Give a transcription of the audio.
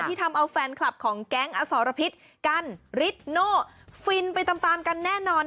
ทำเอาแฟนคลับของแก๊งอสรพิษกันริดโน่ฟินไปตามตามกันแน่นอน